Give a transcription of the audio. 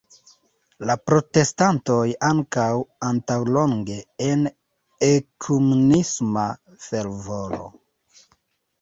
La protestantoj ankaŭ antaŭlonge en ekumenisma fervoro.